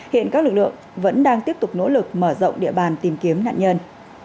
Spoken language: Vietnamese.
hiện các lực lượng vẫn đang tiếp tục nỗ lực mở rộng địa bàn tìm kiếm nạn nhân